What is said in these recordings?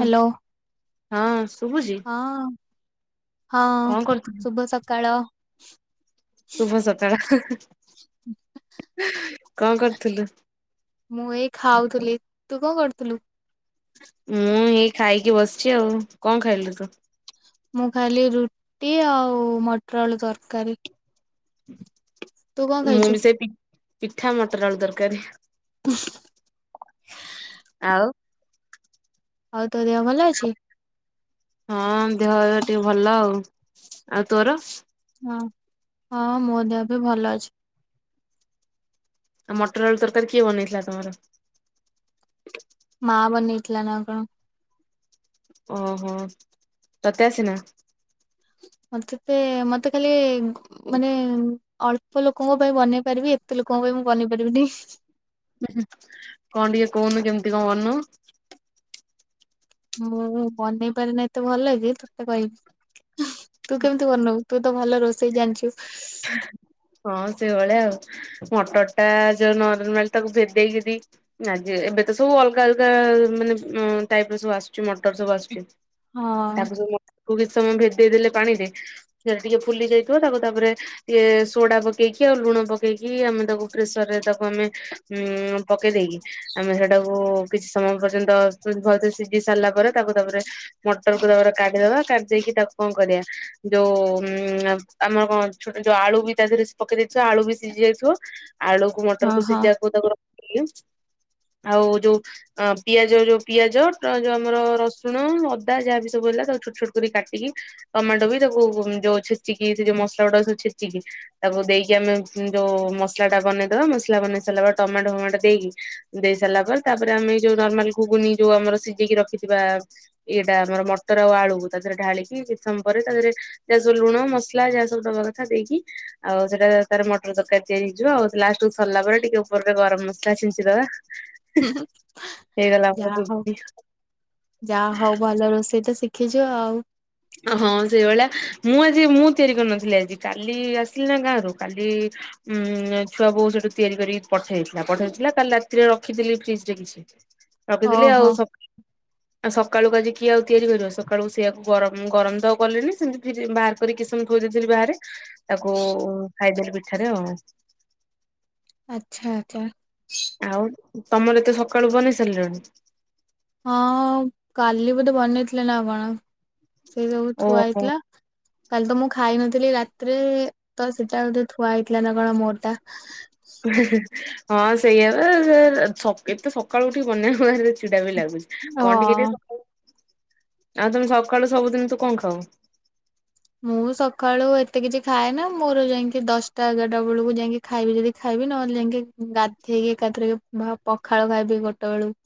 Hello ହଁ ଶୁଭୁଛି ହଁ। ହଁ କଣ କରୁଥିଲୁ? ଶୁଭ ସକାଳ। ଶୁଭ ସକାଳ କଣ କରିୁଥିଲୁ। ମୁଁ ଏଇ ଖାଉଥିଲି ତୁ କଣ କରୁଥିଲୁ। ମୁଁ ଏଇ ଖାଇକି ବସିଛି ଆଉ କଣ ଖାଇଲୁ ତୁ? ମୁଁ ଖାଇଲି ରୁଟି ଆଉ ମଟର ଆଳୁ ତରକାରୀ। ତୁ କଣ ମୁଁ ଖାଇଛୁ ବି ସେଇ ପିଠା ମଟର ଆଳୁ ତରକାରୀ। ଆଉ ଆଉ ତୋ ଦେହ ଭଲ ଅଛି। ହଁ ଦେହ ଏବେ ଟିକେ ଭଲ ଆଉ ଆଉ ତୋର ହଁ ହଁ ମୋ ଦେହ ବି ଭଲ ଅଛି। ଆଉ ମଟର ଆଳୁ ତରକାରୀ କିଏ ବନେଇଥିଲା ତମର? ମା ବନେଇଥିଲା ନା କଣ। ଓ ହୋ ତତେ ଆସେ ନା। ମତେ ତେ ମତେ ଖାଲି ମାନେ ଅଳ୍ପ ଲୋକଙ୍କ ପାଇଁ ବନେଇ ପାରିବି ଏତେ ଲୋକଙ୍କ ପାଇଁ ମୁଁ ବନେଇ ପାରିବିନି। କଣ ଟିକେ କହୁନୁ କେମିତି କଣ ବନଉ। ମୁଁ ବନେଇ ପାରେନି ଏତେ ଭଲକି ତତେ କହିବି। ତୁ କେମିତି ବନଉ ତୁ ତ ଭଲ ରୋଷେଇ ଜାଣିଛୁ। ହଁ ସେଇଭଳିଆ ଆଉ ମଟର ଟା ଯୋଉ ନରମାଲ୍ ତାକୁ ଭେଦେଇକି ଦେଇକି ଏବେ ତ ସବୁ ଅଲଗା ଅଲଗା ଟାଇପର ଆସୁଛି ମାନେ ମଟର ସବୁ ଆସୁଛି। ହଁ [unintelligible] କୁ କିଛି ସମୟ ଭେଦେଇ ଦେଲେ ପାଣି ରେ ସେ ଟିକେ ଫୁଲି ଯାଇଥିବ ତାକୁ ତାପରେ ଟିକେ ସୋଡା ପକେଇକି ଆଉ ଲୁଣ ପକେଇକି ଆମେ ତାକୁ ପ୍ରେସର୍ ରେ ଦେବୁ ଆମେ। ହୁଁ ପକେଇ ଦେଇକି ଆମେ ସେଟାକୁ କିଛି ସମୟ ପର୍ଯ୍ୟନ୍ତ ଭଲସେ ସିଝି ସାରିଲା ପରେ ତାକୁ ତାପରେ ମଟର କୋରା ଗୁରା କାଢିଦବା କାଢିଦେଇକି ତାକୁ କଁ କରିଆ ଯୋଉ ଉଁ ଉଁ ଆକମ କଁ ଛୋଟ ଯୋଉ ଆଳୁ ବି ତା ଦେହରେ ପକେଇ ଦେଇଥିବ ଆଳୁ ବି ସିଝି ଯାଇଥିବ ଆଳୁକୁ ହଁ ମଟରକୁ ହଁ ସିଝାକୁ ତାକୁ ର ଥିଲୁ ଆଉ ଯୋଉ ଅ ପିଆଜ ଯୋଉ ପିଆଜ ଟ ଯୋଉ ଆମର ରସୁଣ ଅଦା ଯାହାବି ସବୁ ହେଲା ତାକୁ ଛୋଟ ଛୋଟ କରିକି କାଟିକି ଟମାଟୋ ବି ତାକୁ ଯୋଉ ଛେଚିକି ସେ ଯୋଉ ମସ୍ଲା ଗୁଟା ସବୁ ଛେଚିକି ତାକୁ ଦେଇକି ଆମେ ଯୋଉ ମସ୍ଲା ଟା ବନେଇଦବା, ମସ୍ଲା ବନେଇ ସାରିଲା ପରେ ଟମାଟୋ ଫମାଟୋ ଦେଇକି ଦେଇ ସାରିଲା ପରେ ତାପରେ ଆମେ ଏ ଯୋଉ ନର୍ମାଲ ଘୁଗୁନି ଯୋଉ ଆମର ସିଝେଇକି ରଖିଥିବା ଇଏଟା ଆମର ମଟର ଆଉ ଆଳୁକୁ ତାଧେରେ ଢାଳିକି କିଛି ସମୟ ପରେ ତାଧେରେ ଯାହା ସବୁ ଲୁଣ, ମସ୍ଲା ଯାହା ସବୁ ଦବା କ ଥା ଦେଇକି ଆଉ ସେଇଟା ତାର ମଟର ତରକାରୀ ତିଆରି ହେଇଯିବ ଆଉ ଲାଷ୍ଟକୁ ସରିଲା ପରେ ଟିକେ ଉପରରେ ଗରମ୍ ମସ୍ ଲା ଛିଞ୍ଚି ଦବା। ହୁଁ ହୁଁ ହେଇଗଲା ଆମର ଯାଆ ହଉ, ରୁଟି ଯାଆ ହଉ ଭଲ ରୋସେଇ ତ ଶି ଖିଚ ଆଉ। ହଁ ସେଇଭଳିଆ ମୁଁ ଆଜି ମୁଁ ତିଆରି କରିନଥିଲି ଆଜି କାଲି ଆସିଲି ନା ଗାଁରୁ କାଲି ଉଁ- ଛୁଆ ବୋଉ ସେଠୁ ତିଆରି କରିକି ପଠେଇଥିଲା ପଠେଇଥିଲା କାଲି ରାତିରେ ରଖିଥିଲି ଫ୍ରିଜ୍ ରେ କି ଛି ରଖିଥିଲି ଆଉ ଓହୋ ସକ୍ ଆଉ ସକାଳୁକୁ ଆଜି କିଏ ଆଉ ତିଆରି କରିବ ସକାଳୁକୁ ସେଇଆକୁ ଗରମ୍ ଉମ୍ ଗରମ୍ ତ କଲିନି ସେମ୍ ଫ୍ରିଜ ବାହାର କରିକି କିଛି ସମୟ ଥୋଇ ଦେଇଥିଲି ବାହାରେ। ତାକୁ ଖାଇଦେଲି ପିଠାରେ ଆଉ। ଆଚ୍ଛା ଆଛା। ଆଉ ତମର ଏତେ ସକାଳୁ ବନେଇ ସାରିଲଣି। ହଁ ହଁ କାଲି ବୋଧେ ବନେଇଥିଲେ ନା କଣ ସେ ସବୁ ଥୁଆ ଓହୋ ହେଇଥିଲା। କାଲି ତ ମୁଁ ଖାଇ ନଥିଲି ରାତ୍ରେ। ତ ସେଟା ବୋଧେ ଥୁଆ ହେଇଥିଲା ନା କଣ ମୋରଟା। ଏହେ ହେ ହେ ହଁ ସେଇଆପା ଏ-ଏ -ସ ଏତେ ସକାଳୁ ଉଠିକୁ ବନେଇକୁ ଭାରି ଜୋର୍ ଚିଡା ବି ଲାଗୁଛି। କଁ ଟିକେ ଟିକେ ହଁ। ସଖାଳୁ, ଆଉ ତମେ ସକାଳୁ ସବୁ ଦିନି ତୁ କଁ ଖାଉ? ମୁଁ ସଖାଳୁ ଏତେ କିଛି ଖାଏନା ମୋର ଯାଇଙ୍କି ଦଶ୍ଟା ଏଗାର୍ଟା ବେଳୁକୁ ଯାଇଙ୍କି ଖାଇବି ଯଦି ଖାଇବି ନହେଲେ ଯାଇଁକି ଗାଧେଇକି ଏକାଥରକେ ପଖାଳ ଖାଇବି ଗୋଟେ ବେଳୁକୁ।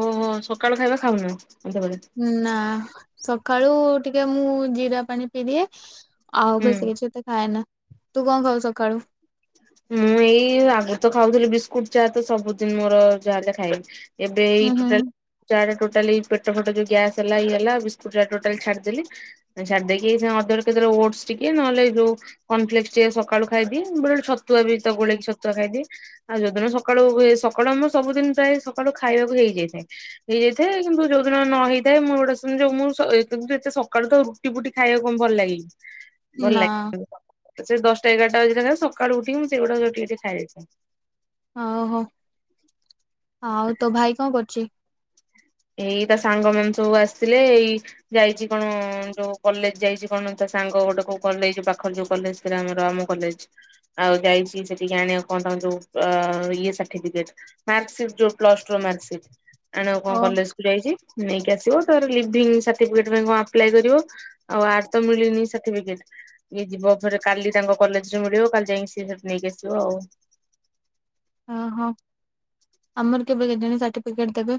ଓହୋ ସକାଳ ଖାଇବା ଖାଉନୋଉ। ନାଁ ସକାଳୁ ଟିକେ ମୁଁ ଜିରା ପାଣି ପିଇଦିଏ। ଆଉ ହୁଁ। ବେଶି କିଛି ଏତେ ଖାଏନା, ତୁ କଁ ଖାଉ ସଖାଳୁ? ମୁଁ ଏଇ ଆଗରୁ ତ ଖାଉଥିଲି ବିସ୍କୁଟ ଚା ତ ସବୁଦିନ୍ ମୋର ଯାଆ ହେଲେ ଖାଇବି। ଏବେ ହୁଁ ଏଇ ଟୋଟାଲ୍ ହୁଁ ଚା ଟା ଟୋଟାଲି ପେଟ ଫେଟ ଯୋଉ ଗ୍ୟାସ୍ ହେଲା ଇଏ ହେଲା ବିସ୍କୁଟ୍ ଟା ଟୋଟାଲି ଛାଡିଦେଲି। ଆଉ ଛାଡି ଦେଇକି ଏଇସାଁ ଅଦର କେତେବେଳେ ଓଡ୍ସ ଟିକେ ନ ହେଲେ ଏ ଯୋଉ କନଫ୍ଲେକ୍ସ ଟିକେ ସକାଳୁ ଖାଇଦିଏ, ବେଳେ ବେଳେ ଛତୁଆ ବି ତ ଗୋଳେଇକି ଛତୁଆ ଖାଇଦିଏ। ଆଉ ଯୋଉ ଦିନ ସକାଳୁ ହୁଏ, ସକାଳୁ ଆମର ସବୁଦିନ ପ୍ରାୟ ସକାଳୁ ଖାଇବାକୁ ହେଇଯାଇଥାଏ। ହେଇଯାଇଥାଏ କିନ୍ତୁ ଯୋଉ ଦିନ ନ ହେଇଥାଏ ମୁଁ ଗୋଟେ- ସୁ ଯୋଉ ମୁଁ- ସ- ଏ- ତୁ- ଯୋଉ ଏତେ ସକାଳୁତ ରୁ ରୁଟି ଫୁଟି ଖାଇଆକୁ କଁ ଭଲ୍ ଲାଗେ କି। ଭଲ୍ ନା ଲାଗେ ତତେ ସେ ଦଶ୍ଟା, ଏଗାର୍ଟା ବଜିଗଲାକୁ ସକାଳୁ ଉଠିକି ମୁଁ ସେଇଗୁଡାକୁ ଯଦି ଟିକେ ଟିକେ ଖାଇ ଦେଇଥାଏ। ଆଓ ହୋ ଆଉ ତୋ ଭାଇ କଁ କରୁଛି? ଏଇ ତା ସାଙ୍ଗ ମାନ ସବୁ ଆସଥିଲେ ଏଇ ଯାଇଚି କଣ ଯୋଉ କଲେଜ୍ ଯାଇଚି କଣ ତା ସାଙ୍ଗ ଗୋଟେ କୋଉ କଲେଜ୍ ପାଖରେ ଯୋଉ କଲେଜ୍। ଶ୍ରୀରାମ ରମ କଲେଜ୍। ଆଉ ଯାଇଛି ସେଠିକି ଆଣିଆକୁ କଣ ତାଙ୍କର ଯୋଉ ଅ -ଅ-ଅ-ଇଏ ସାର୍ଟିପିକେଟ୍।। ମାର୍କ ସିର୍ଟ୍ ଯୋଉ ପ୍ଲସ୍ ଟୁ ମାର୍କ ସିର୍ଟ ଆଣିଆକୁ କଣ ଓ କଲେଜ ସ୍କୁଲ ଯାଇଛି ନେଇକି ଆସିବ ତୋର ଲିଭିଙ୍ଗି ସାର୍ଟିଫିକେଟ ପାଇଁ କଣ ଆପ୍ଲାଇ କରିବ। ଆଉ ଆର୍ ତ ମିଳିନି ସାର୍ଟିଫିକେଟ। ଇଏ ଯିବ ଫେରେ କାଲି ତାଙ୍କ କଲେଜ ରେ ମିଳିବ କାଲି ଯାଇକି ସିଏ ସେଠି ନେଇକି ଆସିବ ଆଉ। ଓହୋ ଆମର କେବେ କେଜାଣି ସାର୍ଟିଫିକେଟ ଦେବେ।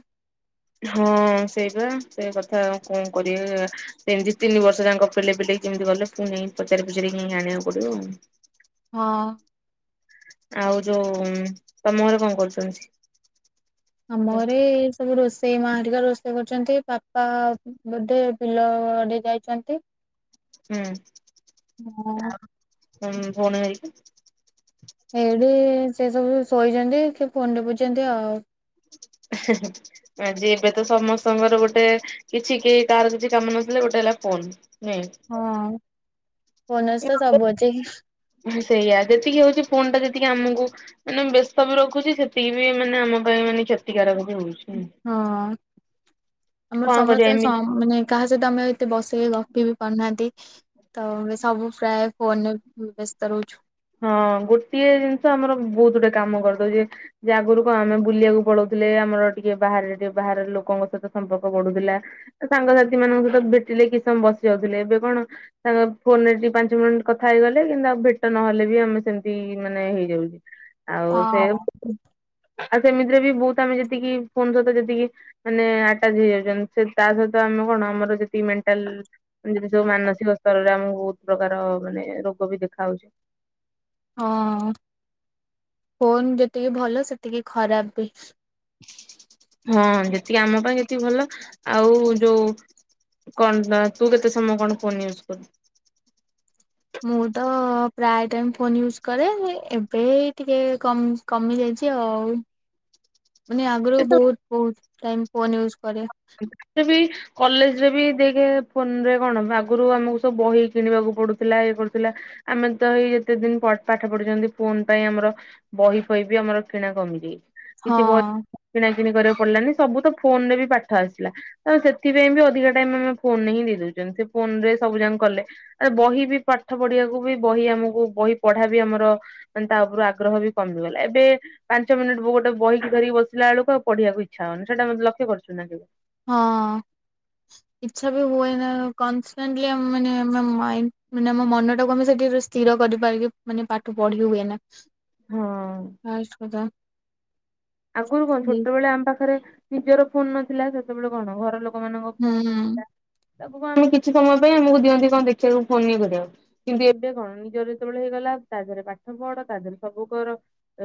ହଁ ସେଇ ପା ସେ କଥା କଣ କରିବା। ସେମିତି ତିନି ବର୍ଷ ଯାଙ୍କ ପିଲ ପିଲେଇ କେମିତି ଗଲେ ପୁଣି ନେଇ ପଚାରି ପଚାରି କେହି ଆଣକୁ ପଡିବ ଆଉ ହଁ। ଆଉ ଯୋଉ ତମ ଘରେ କଣ କରୁଛନ୍ତି ଆମ ଘରେ ଏ ସବୁ ରୋଷେଇ ମା ହେରିକା ରୋଷେଇ କରୁଛନ୍ତି ବାପା ବୋଧେ ବିଲ ଆଡେ ଯାଇଛନ୍ତି। ହୁଁ ହଁ ମୁଁ ଆଉ କହୁନ ଯାଇକି ଏଇଠି ସେ ସବୁ ଶୋଇଛନ୍ତି କି ଫୋନ ରେ ଟିପୁଛନ୍ତି ଆଉ। ଆଜି ଏବେ ତ ସମସ୍ତଙ୍କର ଗୋଟେ କିଛି କିଏ କାହାର କିଛି କାମ ନଥିଲେ ଗୋଟେ ହେଲା ଫୋନ ନଁ। ହଁ। ଫୋନ ଅଛି ତ ସବୁ ଅଛି। ସେଇଆ ଯେତିକି ହଉଛି ଫୋନ୍ ଟା ଯେତିକି ଆମକୁ ମାନେ ବ୍ୟସ୍ତ ବି ରଖୁଛି ସେତିକି ବି ମାନେ ଆମ ପାଇଁ ମାନେ କ୍ଷତିକାରକ ବି ହଉଛି। ହଁ ଆମର କଣ କରିବା ସମସ୍ତେ ଏମିତି ସ ମାନେ କାହା ସହିତ ଆମେ ଏତେ ବସିକି ଗପ ବି ପାରୁନାହାନ୍ତି। ତ ସବୁ ପ୍ରାୟ ଫୋନରେ ବ୍ୟସ୍ତ ରହୁଛୁ। ହଁ ଗୋଟିଏ ଜିନିଷ ଆମର ବହୁତ ଗୋଟେ କାମ କରିଦଉଛି। ଯେ ଆଗରୁ କଣ ଆମେ ବୁଲିବାକୁ ପଳଉଥିଲେ ଆମର ଟିକେ ବାହାରେ ଟିକେ ବାହାର ଲୋକଙ୍କ ସହିତ ସମ୍ପର୍କ ବଢୁଥିଲା ସାଙ୍ଗସାଥି ମାନଙ୍କ ସହିତ ଭେଟିଲେ କିଛି ସମୟ ବସି ଯାଉଥିଲେ ଏବେ କଣ? ତାଙ୍କ ଫୋନ ରେ ଟିକେ ପାଞ୍ଚ ମିନିଟ୍ କଥା ହେଇଗଲେ କିନ୍ତୁ ଆଉ ଭେଟ ନହଲେ ବି ଆମେ ସେମିତି ମାନେ ହେଇଯାଉଛି ଆଉ ସେ ହଁ ଆଉ ସେମିତିରେ ବି ବହୁତ ଆମେ ଯେତିକି ଫୋନ ସହିତ ଯେତିକି। ମାନେ ଆଟାଚ ହେଇଯାଉଛନ୍ତି ତା ସହିତ ଆମେ କଣ ଆମର ଯେତିକି ମେଣ୍ଟାଲ ଯଦି ସବୁ ମାନସିକ ସ୍ତରରେ ଆମକୁ ବହୁତ ପ୍ରକାର ମାନେ ରୋଗ ବି ଦେଖା ହଉଛି। ହଁ ଫୋନ୍ ଯେତିକି ଭଲ ସେତିକି ଖରାପ ବି। ହଁ ଯେତିକି ଆମ ପାଇଁ ସେତିକି ଭଲ ଆଉ ଯୋଉ କଣ ତୁ କେତେ ସମୟ କଣ ଫୋନ୍ ୟୁଜ କରୁଚୁ ମୁଁ ତ ପ୍ରାୟ ଟାଇମ ଫୋନ ୟୁଜ କରେ ଏବେ ଟିକେ କମ୍ କମି ଯାଇଛି ଆଉ ମାନେ ଆଗରୁ ଏତ ବହୁତ ବହୁତ ଟାଇମ ଫୋନ ୟୁଜ୍ କରେ। ବି [inaudible] କଲେଜ ରେ ବି ଦେଇ ଫୋନରେ କଣ ଆଗରୁ ଆମକୁ ସବୁ ବହି କିଣିବାକୁ ପଡୁଥିଲା ଇଏ କରୁଥିଲା। ଆମେ ତ ଏଇ ଯେତେ ଦିନ ପାଠ ପଢୁଛନ୍ତି ଫୋନ ପାଇଁ ଆମର। ବହି ପଇ ବି ଆମର କିଣା କମିଯାଇଛି। ହଁ କିଛି ବହି ପଇ କିଣା କିିଣି କରିବାକୁ ପଡିଲାନି ସବୁ ତ ଫୋନରେ ବି ପା ଆସିଲା ତ ସେଥିପାଇଁ ବି ଅଧିକା ଟାଇମ ଆମେ ଫୋନ ହିଁ ଦେଇ ଦଉଛନ୍ତି ସେ ଫୋନ ରେ ସବୁ ଯାଙ୍କ କଲେ। ଆ ବହି ବି ପାଠ ପଢିବାକୁ ବି ବହି ଆମକୁ ବହି ପଢା ବି ଆମର ମାନେ ତା ଉପରୁ ଆଗ୍ରହ ବି କମିଗଲା ଏବେ। ପାଞ୍ଚ ମିନିଟ ମୁଁ ବହି ଗୋଟେ ଧରି କି ବସିଲା ବେଳକୁ ଆଉ ପଡ଼ିବାକୁ ଇଚ୍ଛା ହଉନି ସେଟା ମତେ ଲକ୍ଷ କରୁଛୁ ନାବେ। ହଁ। ଇଚ୍ଛା ବି ହୁଏ ନା କନଣ୍ଟ [inaudible] ମାନେ ଆ ମ ମାନେ ଆମ ମନଟାକୁ ଆମେ ସେଠି ସ୍ଥିର କରିପାରିକି ମାନେ ପାଠ ପଢି ହୁଏ ନା ହଁ। ପାଷ୍ଟେ କଥା। ଆଗରୁ କଣ ହୁଁ ଛୋଟବେଳେ ଆମ ପାଖରେ ନିଜର ଫୋନ ନଥିଲା ସେତେବେଳେ କଣ ଘର ଲୋକ ହୁଁ। ତାକୁ କଣ ଆମେ କିଛି ସମୟ ପାଇଁ ଆମକୁ ଦିଅନ୍ତି କଣ ଦେଖିବାକୁ ଫୋନ ଇଏ କରିବାକୁ। କିନ୍ତୁ ଏବେ କଣ ନିଜର ଯେତେବେଳେ ହେଇଗଲା ତା ଦେହରେ ପାଠ ପଢ ତା ଦେହରେ ସବୁ କର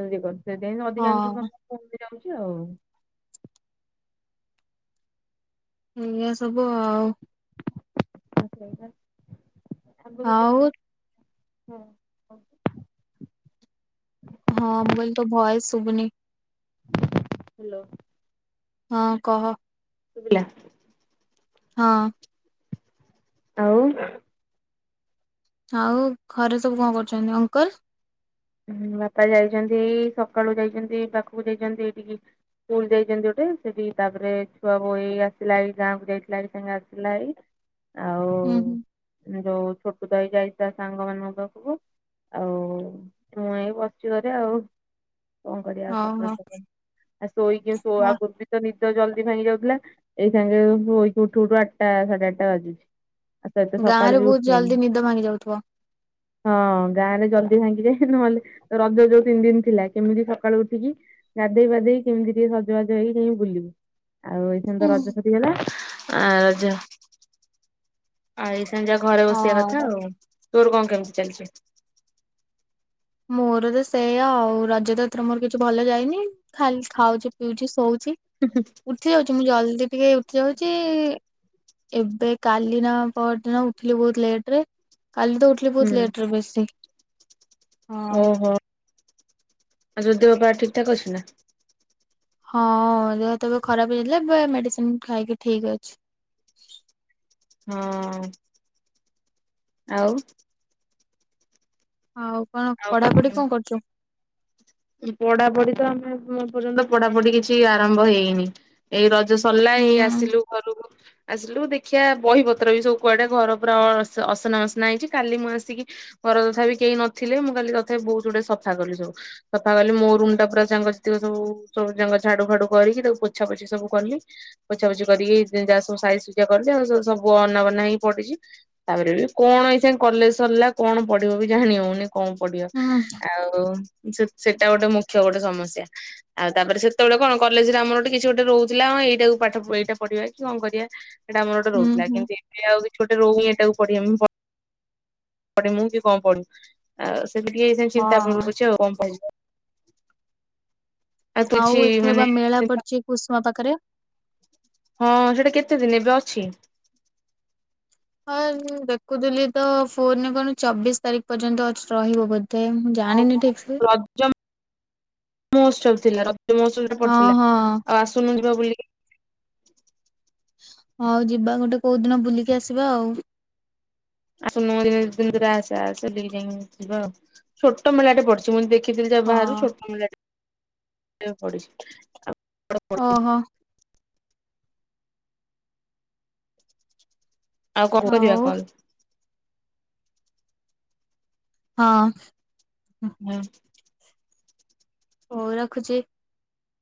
ସେଥିପାଇଁ ଅଧିକାଂଶ ହଁ [unintelligible] ଯାଉଛି ଆଉ। ଏଇଆ ସବୁ ଆଉ। ଆଗରୁ ଆଉ [unintelligible] ହଁ ମୁଁ କହିଲି ତୋ ଭଏସ୍ ଶୁବୁନି। ହ୍ୟାଲୋ। ହଁ କହ? ଶୁବିଲା‌। ‍ ହଁ। ଆଉ? ଆଉ ଘରେ ସବୁ କଣ କରୁଚନ୍ତି ଅଙ୍କଲ? ବାପା ଯାଇଚନ୍ତି ସକାଳୁ ଯାଇଚନ୍ତି ପାଖକୁ ଯାଇଚନ୍ତି ଏଠିକି ସ୍କୁଲ ଯାଇଚନ୍ତି ଗୋଟେ ସେଠି ତାପରେ ଛୁଆ ବହି ଆସିଲା ଗାଁକୁ ଯାଇଥିଲା [unintelligible] ଆସିଲା। ଆଉ ହୁଁ, ହୁଁ। ଯୋଉ ଛୋଟ [unintelligible] ଯାଇଥିଲା ସାଙ୍ଗ ମାନଙ୍କ ପାଖକୁ ଆଉ ମୁଁ ଏଇ ବସଚି ଘରେ ଆଉ। କଣ କରିବା ଓହୋ ମ ଆଉ [unintelligible] ତ ନିଦ ଜଲଦି ଭାଙ୍ଗି ଯାଉଥିଲା ଏଇ ସାଙ୍ଗେ ଶୋଇକି ଉଠୁ ଉଠୁ ଆଠଟା ସାଢେ ଆଠଟା ବାଜୁଛି। ଆଉ ସହିତ ଗାଁ ସକାଳୁ ରେ ବି ବହୁତ ଉଠିବନି ଜଲଦି ନିଦ ଭାଙ୍ଗି ଯାଉଥିବ। ହଁ ଗାଁ ରେ ଜଲଦି ଭାଙ୍ଗିଯାଏ। ନହେଲେ ରଜ ଯୋଉ ତିନି ଦିନ ଥିଲା କେମିତି ସକାଳୁ ଉଠିକି ଗାଧେଇ ପାଧେଇ କେମିତି ଟିକେ ସଜବାଜ ହେଇକି ବୁଲିବୁ ଆଉ ଏ ଏଇନେ ତ ରଜ ସେରି ଗଲା ଆ ରଜ ଆ [unintelligible] ଘରେ ବସିବା କଥା ହଁ ଆଉ ତୋର କଣ କେମିତି ଚାଲଚି। ମୋର ତ ସେୟ ଆଉ ରଜ ତ ଏଥର ମୋର କିଛି ଭଲ ଯାଇନି। ଖାଲି ଖାଉଛି, ପିଉଛି, ଶୋଉଛି ଉଠି ଯାଉଛି ମୁଁ ଜଲଦି ଟିକେ ଉଠି ଯାଉଛି ଏବେ କାଲି ନା ପରଦିନ ଉଠିଲି ବହୁତ ଲେଟ ରେ କାଲି ତ ଉଠିଲି ବହୁତ ହୁଁ ଲେଟରେ ବେଶୀ ହଁ ଓହୋ ଆଉ ଦେହପା ଠିକ୍ ଠାକ୍ ଅଛି ନା। ହଁ ଦେହ ତ ଏବେ ଖରାପ ହେଇଥିଲା ଏବେ ମେଡିସିନ ଖାଇକି ଠିକ୍ ଅଛି। ହଁ ଆଉ? ଆଉ କଣ ପଢାପଢି କଣ କରୁଛ? ପଢା ପଢି ତ ଆମେ ପର୍ଯ୍ୟନ୍ତ ପଢାପଢି କିଛି ଆରମ୍ଭ ହେଇନି। ଏଇ ରଜ ସରିଲା ହୁଁ ଏଇ ଆସିଲୁ। ଘରକୁ। ଆସିଲୁ ଦେଖିଆ ବହିପତ୍ର ବି ସବୁ କୁଆଡେ ଘର ଫର ଅସୁବିଧା, ଅସନା ମସନା ହେଇଛି କାଲି ମୁଁ ଆସିକି ମୋର ତଥା ବିି କେହି ନଥିଲେ ମୁଁ କାଲି ତଥାପି ବହୁତ ଗୁଡ଼େ ସଫା କଲି ସବୁ। ସଫା କଲି ମୋ ରୁମ୍ ଟା ପୁରା ସାଙ୍ଗ ସାଥିକ ସବୁ ଝାଡୁ ଫାଡୁ କରିକି ତାକୁ ପୋଛା ପୋଛି ସବୁ କଲି। ପୋଛା ପୋଛି କରିକି ଯାହା ସବୁ ସାଇଜ ସୁଜା କରିଛି ଆଉ ସବୁ ଅନାବନା ହେଇ ପଡିଛି। ତାପରେ ବି କଣ ଏଇସେ କଲେଜ ସରିଲା କଣ ପଢିବ ବି ଜାଣି ହଉନି। କଣ ପଡିବ ହୁଁ ଆଉସ ସେ ସେଟା ଗୋଟେ ମୁଖ୍ୟ ଗୋଟେ ସମସ୍ୟା। ଆଉ ତାପରେ ସେତେବେଳେ କଣ କଲେଜରେ ଆମର ଗୋଟେ କିଛି ଗୋଟେ ରହୁଥିଲା ଏଇଟାକୁ ପାଠ ଏଇଟା ପଢିବା କି କଣ କରିବା। ସେଇଟା ଆମର ଗୋଟେ ହୁଁ ରହୁଥିଲା ହୁଁ କେମନ୍ତି ସେ ଆଉ ବି ଛୁଟି ରେ ରହୁନି ଏଟାକୁ ପଢିବ ମୁଁ ବି କଣ ପଢିବି। ଆଉ ସେଇଠି ଟିକେ ସେଇ ଚିନ୍ତା ହଁ। କରୁଛି ଆଉ କଣ କହିବି। କିଛି ଆଉ ଏଥେର ମାନେ ବା ମେଳା ପଡିଛି କୁସୁମା ପାଖରେ। ହଁ ସେଟା କେତେ ଦିନ ଏବେ ଅଛି। ହଁ ମୁଁ ଦେଖୁଥିଲି ତ ଫୋନ ରେ କଣ ଚବିଶ ତାରିଖ ପର୍ଯ୍ୟନ୍ତ ଅଛି ରହିବ ବୋଧେ। ଆଉ ଜାଣିନି କଣ ଠିକ ସେ। ରଜ ମହୋତ୍ସବ ଥିଲା ରଜ ମହୋତ୍ସବ। ହଁ ପଡିଥିଲା ହଁ ଆଉ ଆସୁନୁ ଯିବା ବୁଲିକି ହଉ ଯିବା ଗୋଟେ କୋଉ ଦିନ ବୁଲିକି ଆସିବା ଆଉ। ଆସୁନୁ ଦିନେ ଦି ଦିନ ଭିତରେ ଆସେ ଆସେ ବୁଲି ଯାଇଁ ଯିବା ଆଉ। ଛୋଟ ମେଳା ଟେ ପଡିଛି ମୁଁ ଦେଖଥିଲି ଯା ବାହାରୁ ହଁ ଛୋଟ ମେଳାଟେ। ପଡିଛି [unintelligible] ଓ ହଁ। ଆଉ କଣ କରିବା ହଉ କଲ। ହଁ। ହୁଁ। ହଉ ରଖୁଛି।